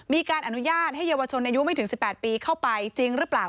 มีการอนุญาตให้เยาวชนอายุไม่ถึง๑๘ปีเข้าไปจริงหรือเปล่า